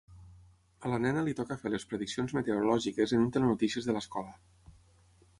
A la nena li toca fer les prediccions meteorològiques en un telenotícies de l'escola.